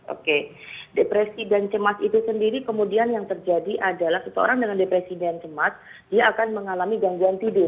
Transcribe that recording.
oke depresi dan cemas itu sendiri kemudian yang terjadi adalah seseorang dengan depresi dan cemas dia akan mengalami gangguan tidur